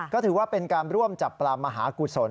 ก็ถือว่าเป็นการร่วมจับปลามมหากุศล